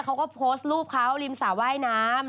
เขาก็โพสต์รูปเขาริมสระว่ายน้ำ